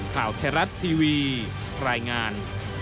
ข่าวไทยรัฐทีวีรายงาน